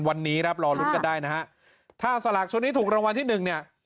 วันนี้ครับรอลุ้นกันได้นะฮะถ้าสลากชุดนี้ถูกรางวัลที่หนึ่งเนี่ย